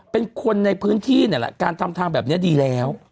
เป็นคนในพื้นที่นี่แหละการทำทางแบบนี้ดีแล้ว